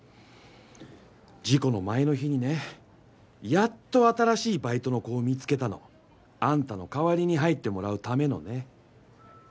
事故の前の日にねやっと新しいバイトの子を見つけたの。あんたの代わりに入ってもらうためのね。